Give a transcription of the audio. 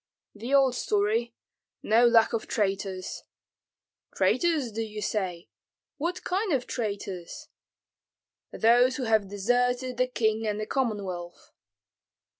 "The old story, no lack of traitors." "Traitors, do you say? What kind of traitors?" "Those who have deserted the king and the Commonwealth."